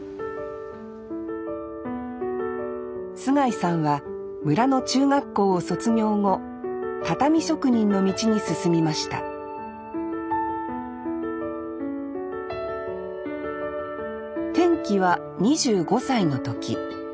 須貝さんは村の中学校を卒業後畳職人の道に進みました転機は２５歳の時。